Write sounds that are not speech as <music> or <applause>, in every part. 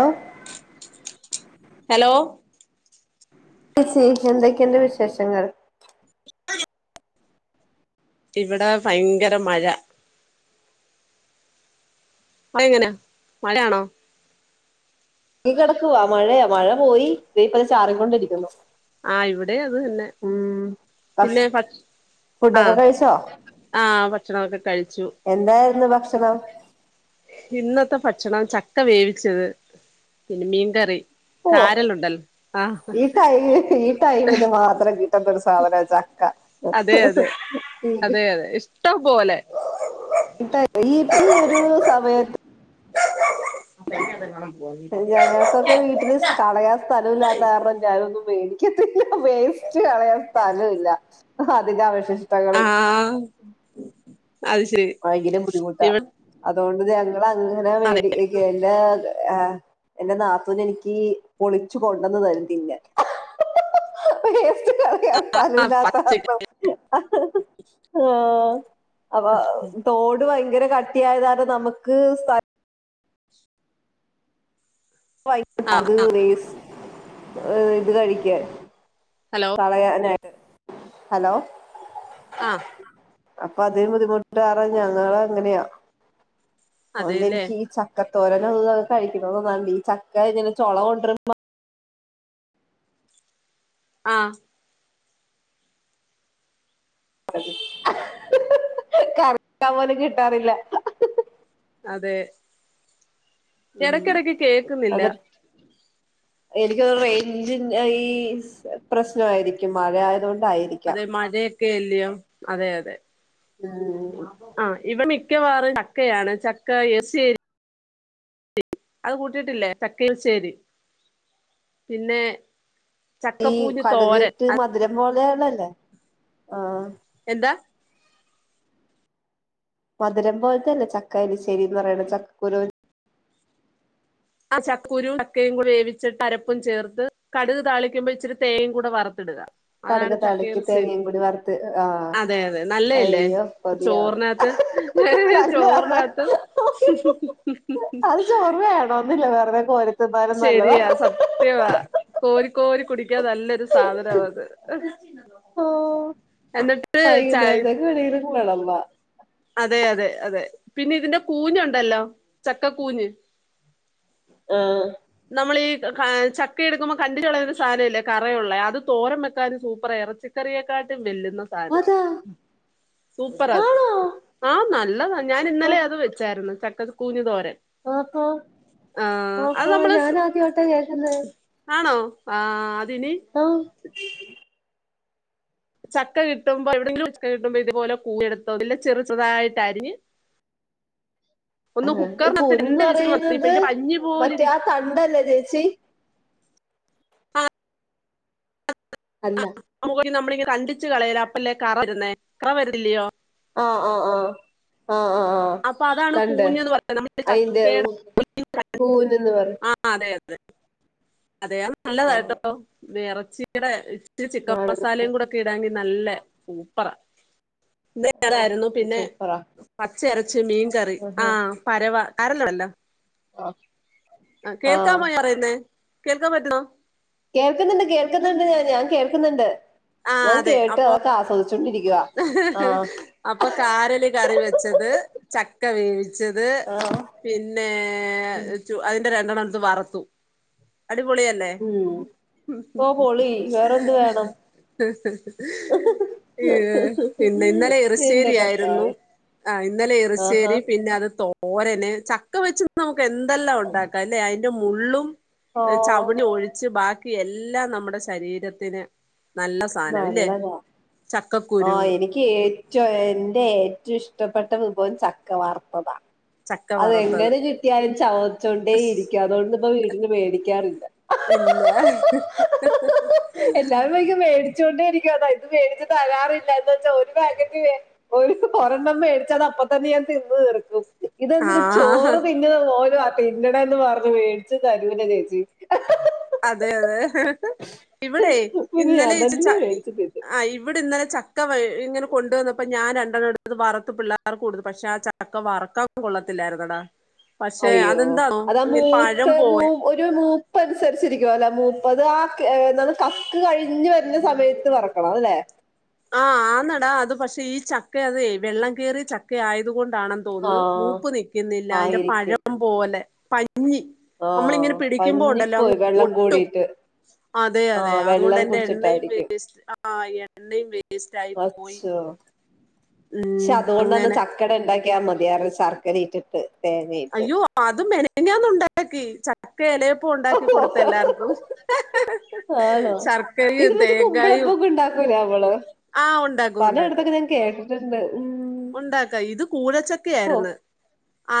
ഓ hello....... പ്രത്യകിച്ച് എന്തൊക്കെണ്ട് വിശേഷങ്ങൾ ഇവിടെ ഭയങ്കര മഴ ആ എങ്ങനാ മഴയാണോ അ കിടക്കുവ മഴയ മഴ പോയി ദേ ഇപ്പ ചാറിക്കൊണ്ടിരിക്കുന്നു ആ ഇവിടെ അത് തന്നെ ഉം ഭക്ഷ പിന്നെ ആഹ ഫുഡൊക്കെ കഴിച്ചോ ആ ഭക്ഷണൊക്കെ കഴിച്ച എന്തായിരുന്നു ഭക്ഷണം ഇന്നത്തെ ഭക്ഷണം ചക്ക വേവിച്ചത് പിന്നെ മീൻകറി ഓ കാരലുണ്ടല്ലോ ആഹ് ഈ ടൈൽ ഈ ടൈമിന് മാത്രം കിട്ട എന്തൊരു സാധന ചക്ക അതെ അതെ ഈ അതെ അതെ ഇഷ്ടംപോലെ ഇ ഈ ഈ ഒരു സമയത്ത് അതെ അതെ കാണാൻ പോ ഞങ്ങൾക്കൊക്കെ വീട്ടിൽ കളയാൻ സ്ഥലം ഇല്ലാത്ത കാരണം ഞാൻ ഒന്നും പേടി വേസ്റ്റ് കളയാൻ സ്ഥലമില്ല, അതിൻറെ അവശിഷ്ഠങ്ങൾ തകള് ആഹ് അത് ശരി ഭയങ്കര ബുദ്ധിമുട്ടാ ഇവ അതുകൊണ്ട് ഞങ്ങൾ അങ്ങനെ അതെ വേടികേറില്ല ആ എൻന്റെ നാത്തൂൻ എനിക്ക് പൊളിച്ചു കൊണ്ടന്ന് തരും തിന്നാൻ ഹഹഹ അയ്യോ ആഹ് പച്ചക്ക് സ്ഥലആഹ <unintelligible> അപ്പ തോട് ഭയങ്കര കട്ടിയായതാന് നമുക്ക് ആഹ് അത് ആഹ് വേസ് ഇത് കഴിക്കാൻ ഹലോ കളയാനാക്കി ഹലോ ആഹ് അപ്പൊ അതിന് അപ്പ അപ്പ ബുദ്ധിമുട്ട്കാരണം ഞങ്ങൾ അങ്ങനെയാ അതുകൊണ്ട് അതെല്ലേ എനിക്ക് ഈ ചക്ക തോരനും അതും ഇതും കഴിക്കണമെന്ന് തോന്നാറുണ്ട് ചക്ക ഇങ്ങനെ ചുള കൊണ്ടിരമ്പ ആ അതെ <unintelligible> പോലും കിട്ടാറില്ല അതെ ഇടക്കിടക്ക് കേക്കുന്നില്ല എനിക്ക് തോന്നുന്നത് റെയ്ഞ്ചി ഈ പ്രശ്നയിരിക്കും മഴ ആയത്കൊണ്ട് അതെ മഴയൊക്കെ അലിയോ അതെ അതെ ഉം ആ ഇവടെ മിക്കവാറും ചക്കയാണ് ചക്ക യസി അത് കൂട്ടിയിട്ടില്ലേ തക്കയിൽ ചേരി പിന്നെ ഈ ചക്കപ്പൂഞ്ഞ് തോരൻ കടുകിട്ട് മധുരം പോലെയള്ളല്ലേ ആ എന്താ മധുരം പോലത്തന്നെ ചക്ക അരിശരീന്ന് പറയണ ചക്കക്കുരു ആ ചക്കക്കുരു ചക്കയുംവേവിച്ചിട്ട് അരപ്പും ചേർത്ത് കടുക് താളിക്കുമ്പോ ഇച്ചിരി തേയും കൂടെ വറുത്തിടുക അതാണ് കടുക് താളിക്ക് ചക്കയെറിശ്ശേരി തേങ്ങയുംകൂടി വറുത്ത് ആ അതെ അതെ നല്ലയല്ലേ അയ്യോ പതിയാണ് ചോറിനകത്ത് നല്ല ചോറിനകത്ത് അത് ചോറ് വേണോന്നില്ല <unintelligible> റേ പോര് ശരിയാ സത്യവാ കോരി കോരി കുടി ക നല്ലൊരു സാധനമാത് ഓ എന്നിട്ട് ചായ ങ്ങളമ്മ <unintelligible> അതെ അതെ അതെ പിന്നെ ഇതിന്റെ കൂഞ്ഞണ്ടല്ലോ ചക്കക്കൂഞ്ഞ് ആ നമ്മൾ ഈ ചക്ക എടുക്കുമ്പോ കണ്ടി ലുള്ളൊരു ഒരു സാനം ല്ലേ കറയുള്ള അത് തോരംവെക്കാം സൂപ്പർായി ഇറച്ചിക്കറിയെക്കാട്ടും വെല്ലുന്ന സാനമാ അതാ സൂപ്പറാ അത് ആണോ ആ നല്ലതാ ഞാൻ ഇന്നലെ അത് വെച്ചായിരുന്നു ചക്ക കൂഞ്ഞ് തോരൻ ഓഹോ ആഹ് അത് ഓഹോ നമ്മള് ഞാന സ്- ആദ്യോട്ട കേൾക്കുന്നത് ആ ആ ചക്ക കിട്ടുമ്പോ എവിടെങ്കിലൊക്കെ കിട്ടുമ്പോ ഇതുപോലെ കൂനെ ടുത്തോ അ ഇല്ല ചെറു ചെറാ യിട്ട് അരിഞ് <unintelligible> ഒന്ന് ആഹ് ഈ ഹുക്കറിനത്ത് കൂനെന്ന് ണ്ട് വിസ് ല് വന്ന പറയുന്നത് ഇപ്പൊ പഞ്ഞി മറ്റേ പോലിരി ആ <unintelligible> തണ്ടല്ലേ ചേച്ചി അല്ല നമ്മളി കണ്ടിച്ചു കളയൽ അപ്പളല്ലേ കറ വരുന്നേ കറ വരില്യോ? ആആആ <unintelligible> അപ്പൊ അതാണ് കൂഞ്ഞന്ന് പറലെ നമ്മൾ അയിന്റെ ചക്കേടെ കൂനെന്ന് പറയും <inaudible> ആ അതെ അതെ അതെ ആഹ് നല്ലതാട്ടോ ഇറച്ചിയുടെ- ഇച്ചിരി ചിക്കൻ ഞാനത് മസാലയും കൂടെ ഒക്കെ ഇടാണെ നല്ല സൂപ്പറാ ഓ റായിരുന്നു പിന്നെ സൂപ്പറാ പച്ച ഇരച്ചീ മീൻ കറി ആ പരവ കരണം എന്നാ ആ ആ കേൾക്കാമോ ഞാൻ പറയുന്നേ? കേൾക്കാൻ പറ്റുന്നോ? കേൾക്കുന്നുണ്ട് കേൾക്കുന്നുണ്ട് ഞാൻ ഞാൻ കേൾക്കുന്നുണ്ട് ആ ഞാൻ അതെ കേട്ട് അപ്പൊ അതൊക്കെ ആസ്വദിച്ചു. അപ്പൊ കാരല് കറി വെച്ചത് ചക്ക വേവി ച്ചത് ആഹ് പിന്നെ ഉം അതിന്റെ രണ്ടെണ്ണം എടുത്ത് വറുത്തു. അടിപൊളിയല്ലേ? ഉം ഓ പൊളി വേറെന്ത് വേണം <unintelligible> ഇന്നലെ എന്റെ ഇറശ്ശേരി ആയിരുന്നു കർത്താവേ ആ ഇന്നലെ ആഹാ ഇറശ്ശേരി പിന്നെ അത് തോ തോരന് ചക്ക വെച്ചന്ന് നമുക്ക് എന്തെല്ലാം ഉണ്ടാക്കാംല്ലേ അയിന്റെ മുള്ളും ഓ ചവിണി ഒഴിച്ച് ബാക്കി എല്ലാം നമ്മുടെ ശരീരത്തിന് നല്ല സാധനം ഇല്ലേ? നല്ലതാ ചക്കക്കുരു ആഹ് എനിക്ക് ഏറ്റവും എന്റെ ഏറ്റവും ഇഷ് ഷ്ടപ്പെട്ട വിഭവം ചക്കവാർത്തത. ചക്ക വറുത്തത് അതെങ്ങനെ കിട്ടിയാലും ചവച്ചൊണ്ടേ ഇരിക്കും അതുകൊണ്ട് ഇപ്പ വീടില് മേടിക്കാറില്ല. ഇല്ല ച്ചോണ്ടിരിക്കും അ ഇത് മേടിച്ച് തരാറില്ല എന്ന് വെച്ചാ ഒരു പാകറ്റ് വേ ഒരെണ്ണം വേടിച്ച പത്തന്നെ ഞാൻ തിന്നു തീർക്കും. ഇതെന്ത് ആ ചോറ് തിന്നണ പോലെ തിന്നണെന്ന് പറഞ്ഞ് മേട്ച്ച് തരൂല ചേച്ചി. അതെ അതെ ഇവിടെ പിന്നെ ഇന്നലെ ഞാൻ തന്നെ മേടിച്ച് തിന്നും <unintelligible> ഇന്നലെ ചക്ക ഇങ്ങനെ കൊണ്ട്‌വന്നപ്പോ ഞാൻ രണ്ടെണ്ണം എട്ത്ത് വറ്ത്ത് പിള്ളേർക്ക് കൊടുത്ത് പക്ഷെ ആ ചക്ക വർക്കാൻ ഒട്ടും കൊള്ളത്തില്ലായിര്ന്നെടാ. അയ്യോ അതാ പഴം മൂത്ത മൂ പോലെ ഒരു മൂപ്പൻസര്ച്ചിരി ല്ല മുപ്പത് ആ എന്തന്ന് കക്ക് കഴിഞ്ഞ് വര്ന്ന സമയത്ത് വറക്കണം അല്ലേ ആഹ് ആന്നടാ അത് പക്ഷെ ഈ ചക്ക അതെ വെള്ളം കയറിയ ചക്ക ആയത് കൊണ്ട് ണ്ടാണെന്ന് തോന്ന്ന്ന് ആഹ് മൂപ്പ് നിക്ക്ന്നില്ല അതിന്റെ ആയിരിക്കും. പഴം പോലെ പഴ് ഞ്ഞി ന്നമ്മളിങ്ങനെ ആഹ് പിടിക്യുബോ ണ്ടല്ലോ പഞ്ഞിപ്പോയി വെള്ളം ഒട്ടും. കൂടിയിട്ട്. അതെ അതെ ആഹ് വെള്ളം അത്കൊണ്ടെന്റെ എണ്ണയും കുടിച്ചിട്ടായിരിക്കും. വേസ്റ്റ്ആയൻ എണ്ണയും വേസ്റ്റായി പോയി. ക്ഷെ ഉം അത്‌കൊണ്ടെന്നെ അങ്ങനെ ചക്കട ഇണ്ടാക്യാ മതിയാർന്ന് ശർക്കര ഇടിട്ട് അയ്യോ അത് മെനഞ്ഞാന്നുണ്ടാക്കി ച എലയപ്പം ഉണ്ടാക്കി ഓഹോ, കൊട്ത്ത് എല്ലാർക്കും ശർക്കയും തേങ്ങായും <inaudible> ഇണ്ടാക്കൂലെ ന്നമ്മള് ആഹ് ഉണ്ടാക്കും ഉണ്ടാക്കും പലയിടത്തൊക്കെ ഞാൻ കേ ഓഹ് കൂഴച്ചക്കയായിര്ന്ന്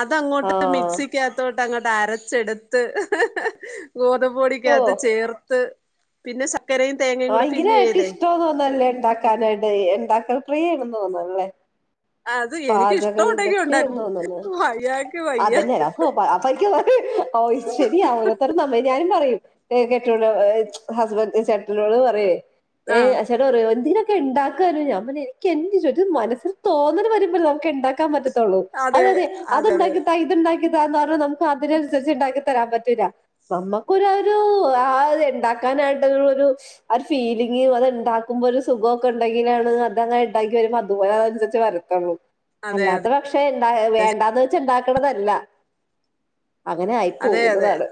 അതങ്ങോട്ട് ആഹ് മിക്സിക്കത്തോ അങ്ങട്ട് അരച്ചെട്ത്ത് ഗോതപൊടിക്കത്ത് ഓഹ് ചേർത്ത് പിന്നെ <unintelligible> തേങ്ങയും ആ കൂടെ എങ്കില് ഫില്ല് ചെയ്തേ ഏറ്റൊഷ്ടാന്ന് തോന്നല്ലേ ഇണ്ടാക്കാനായിട്ട് ഇണ്ടാക്കൽ പ്രിയേണന്ന് തോന്നുന്നല്ലേ. അത് എനിക്ക് പാചക ഇഷ്ടം ഉണ്ടെങ്കി വിദക്തെയെന്ന് ഉണ്ടാക്കും തോന്ന്ന്ന് വയ്യാക്ക് വയ്യ അതെന്നെ ഓ ശരിയാ ഓരോത്തരൊന്ന് അമ്പതിനാ ഞാൻ പറയും ഹസ്ബൻറ് ചെട്ടനോട് പറയേ ഏ ആഹ് ചേട്ടൻ പറയും എന്തിനാ ഇണ്ടാക്കാ ഞാൻ പർഞ്ഞ്എനിക്കെന്റെ ഒരു മനസ്സിൽ തോന്നൽ വരുംമ്പളല്ലേ ഇതൊക്കെ ഇണ്ടാക്കാൻ പറ്റതൊ അതെ അതെ അത്ണ്ടാക്കി താ ഇത്ണ്ടാക്കിതാ എന്നാലും നമ്ക്ക് താൽപര്യംമനുസരിച്ച് ഇണ്ടാക്കി തരാൻ പറ്റ ന്നമ്മക്കാരൊരു ആരുത് ഉണ്ടാക്കാനായിട്ടുള്ളൊരു ആ ഒരു ഫീലിംഗ് അത്ണ്ടാക്ക്മ്പോ ഒരു സുഖക്കെ ഉണ്ടെങ്കിലാണ് അതങ്ങനെ ഇണ്ടാക്കി വര്മ്പം അതുപോലെ അൻസര്ജ് വരത്തൊള്ളൂ അതെ അല്ലാതെ പക്ഷേ അതെ വേണ്ടാന്ന് വെച്ച് ഇണ്ടാക്ക്ണതല്ല അങ്ങനെ ആയി അതെ അതെ പോകുന്നതാണ്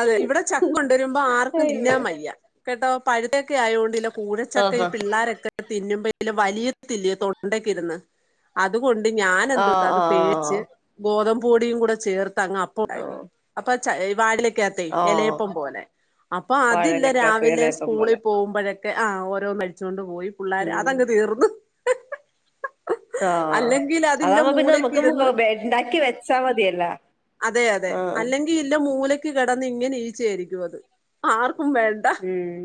അതെ ഇവിടെ ചക്കൊണ്ടരുമ്പം ആർക്കും തിന്നാൻ മയ്യ കേട്ടോ പഴ്ത്ത ആയോണ്ടില കൂഴചക്കെ ആഹാ ഈ പിള്ളാരൊക്കെ തിന്നുമ്പഴേ വലിയതില്ലേ തൊണ്ടക്കെരുന്ന് അത് ഉണ്ട് ഞൻ ആ എന്തോട്ടാത് ആ പേയ്ച്ച് ഗോതമ്പൊടിയും കൂടെ ചേർത്ത് അങ്ങ ആ അപ്പൊൻട്ടാക്കി അപ്പൊ ച്ച വാടിലെ ലയ്കത്തെ ആ എലയപ്പം പോലെ അപ്പൊ അതില്ല വാഴയിലക്കകത്ത് രാവിലെ ഇലയപ്പം സ്കൂളിൽ പോലെ പോകുമ്പോഴ ആഹ ഓരോ മൽചോണ്ട് പോയി പിള്ളാര് ഉം അതങ് തീർന്ന് ആഹാ അല്ലെങ്കിൽ അതില്ല അതാവുമ്പം പിന്നെ ന്നമക്കും മൂലക്കിരുന്ന് ഇണ്ടാക്കി വെച്ചാമതിയല്ലാ അതെ അതെ അല്ലെങ്കി ഇല്ല മൂലക്ക് കെടന്ന് ഇങ്ങനെ ഈഴ്ച്ചയെരിക്കും അത് ആർക് ഉം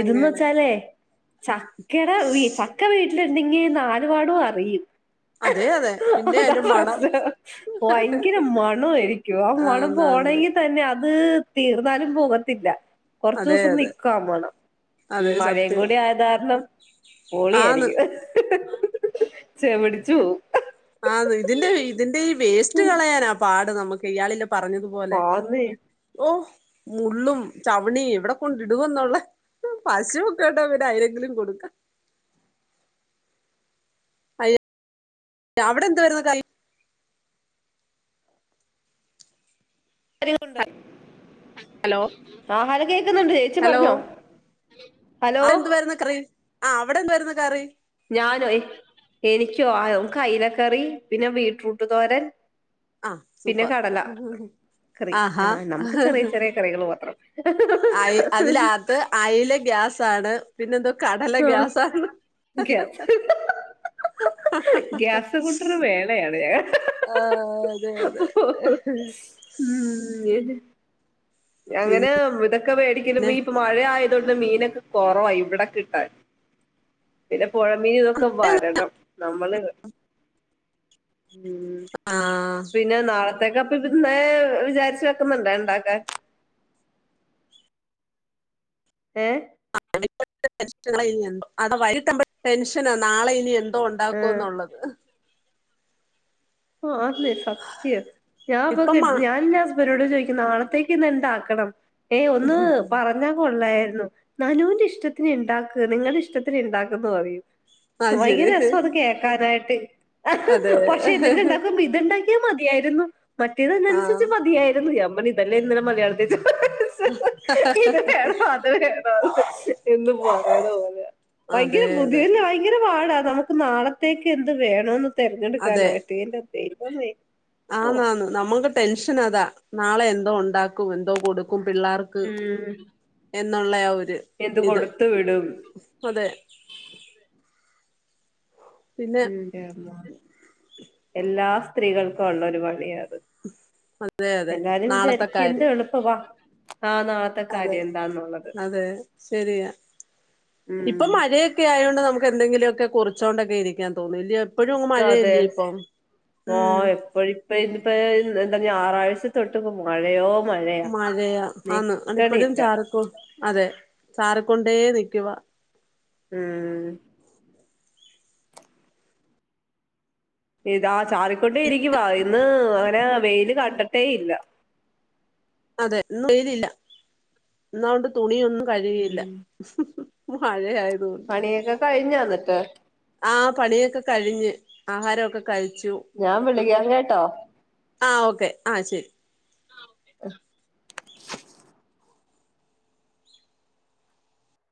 ഇത്‌ന്ന് വെച്ചാലേ ചക്കടെ വീ ചക്ക വീട്ടില്ണ്ടെങ്കി നാല് പാടും അറിയും അതെ അതെ പിന്നെ അത അതിന്റെ മണം പ്രശ്നം ഭയങ്കര മണായിരിക്യും ആ മണം പോ ആന്നാന്ന് പോണെങ്കി തന്നെ അത് തീർന്നാലും പോകത്തില്ല അതെ കൊർച്ചോസം അതെ നിക്കും ആ മണം ഉം അതെ മഴയും സത്യം കൂടി ആയതാരണം ആന്ന് പൊളിയായിരിക്കും ചെവ്ട്ച്ച് വോവുഠ ആന്ന് ഇതിന്റെ ഇതിന്റെ ഈ വേസ്റ്റ് കളയാനാ പാട് ന്നമ്ക്കിയാളില്ല പറഞ്ഞത്പോലെ പോവും ആന്നെ ഓഹ് മുള്ളും ചവ്ണിം എവ്‌ടെകൊടിടുവെന്ന്ള്ളെ പശുക്കെടാവുപ്പം പിന്നെ അയ്നെങ്കിലും കൊട്ക്കാം അയ <inaudible> അവിടെ എന്ത് വാരുന്നു കൈ അരി കൊണ്ട് ഹലോ <unintelligible> ആഹാരം കേക്കുന്നുണ്ട് ചേച്ചി ഹലോ പറഞ്ഞോ ഹലോ അവിടെ എന്തുവായിരുന്നു കറി ആ അവിടെ എന്തുവായിരുന്നു കറി ഞാനോ എനിക്കോ ആ അയില കറി പിന്നെ വീട്രൂട്ട് തോരൻ ആ പിന്നെ സൂപ്പർ കടല കറി ആഹാ ആ നമുക്ക് ചെറിയ ചെറിയ കറികൾ മാത്രം <inaudible> അയ് അതിനകത്ത് അയില ഗ്യാസാണ് പിന്നെന്തോ കടല ആ ഗ്യാസാണ് ഗ്യാസ് കുട്ടനും മേളെയാണ് ഞാൻ ആഹ് അതെ അതെ ഉം അങ്ങനെ പിന്നെ ഇതൊക്കെ മേടിക്കലും ഇപ്പം മഴയായി അതൊണ്ട് മീൻനൊക്കെ കെറവാ ഇവിടെ കിട്ടാൻ പിന്നെ പുഴമീൻ ഇതൊക്കെ വരണം നമ്മള് ഉം ആ പിന്നെ നാളെ <unintelligible> വിചാരിച്ചു വെക്കുന്നുണ്ടോ ഇണ്ടാക്കാൻ ഏ <inaudible> <inaudible> അത വൈകിട്ടാമ്പ് ടെൻഷനാ നാളെ ഇനി എന്ത് ആ ഒണ്ടാക്കോന്ന് ഒള്ളത് ആ അതെ സത്യം ഞാൻ പക ഇപ്പം മാ ഞാൻ ഇനി ഹസ് അരോട് ചോദിക്കുന്നു നാളത്തേക്ക് ഇന്ന് എന്ത് ആക്കണം ഏ ഒന്ന് പറഞ്ഞാ കൊള്ളായി നനൂന്റെ ഇഷ്ടത്തിന് ഇണ്ടാക്ക് നിങ്ങടെ ഇഷ്ടത്തിന് ഇണ്ടാക്ക് എന്ന് പറയും അത് ഭയങ്കര ശരി രസം അത് കേക്കാനായിട്ട് അതെ പക്ഷെ എ ഇത് ഇണ്ടാക്കുമ്പോ ഇത് ഇണ്ടാക്കിയാ മതിയായിരുന്നു മറ്റേത് ആഹ് അനുസരിച്ച് മതിയായിരുന്നു ഞ ഇതല്ലെ ഇന്നലെ മലയാളത്തി ചോദി ഇത് വേണോ അത് വേണോ എന്ന് പറയ്ണ പോലെയാ ഭയങ്കര അതെ ബുദ്ധി അതെ ഭയങ്കര പാടാ നമുക്ക് നാളെ ത്തേക്ക് എന്ത് വേണോന്ന് തെരഞ്ഞെടുക്കാനായിട്ട് എന്റെ ദൈവമേ ഓ ആന്ന് ആന്ന് നമക്ക് ടെൻഷനതാ നാളെ എന്തോ ഒണ്ടാക്കും എന്തോ കൊടു കും പിള്ളർക്ക് ഉം എന്നൊള്ള ആ ഒരു എന്ത് ഇ ഇത് കൊടുത്തു വിടും അതെ പിന്നെ എന്റെ മാത എല്ലാ സ്ത്രീകൾക്കും ഒള്ളെരു പണിയാത് അതെ അതെ എല്ലാരും നാളത്തെ വിചാരിക്ക എന്ത് കാര്യം എളുപ്പവാ ആഹ് നാളത്തെ അതെ കാര്യം എന്താന്നുള്ളത് അതെ ശരിയാ ഉം ഇപ്പം മഴയൊക്കെ ആയേണ്ട് നമുക്ക് എന്തെങ്കിലൊക്കെ കൊറിച്ചോണ്ടൊക്കെ ഇരിക്കാൻ തോന്നും ഇല്ലിയോ അതെ ആ ഉം എപ്പഴിപ്പ ഇന്ന് പ്പോ എന്താ ഞായറാഴ്ച ഉച്ച തൊട്ട് ഇപ്പോ മഴയോ മഴയാ ആന്ന് താണ്ട് ഇപ്പഴും നിക്കണില്ല ചാറിക്കോ അതെ ചാറിക്കൊണ്ടേ നിക്കുവാ മ്മ് ഇതാ ചാറിക്കൊണ്ടേ ഇരിക്കുവ ഇന്ന് അങ്ങനെ വെയില് കണ്ട യിട്ടേയില്ല അതെ ഇന്നും വെയിലില്ല ഇന്ന് അതു കൊണ്ട് തുണിയൊന്നും കഴുവിയില്ല ഉം മഴയായതുകൊണ്ട് പണിയൊക്കെ കഴിഞ്ഞോ എന്നിട്ട് ആ പണിയൊക്കെ കഴിഞ്ഞ് ആഹാരവൊക്കെ കഴിച്ചു ഞാൻ വിളിക്കാം കേട്ടോ ആ ഓക്കെ ആ ശരി ആ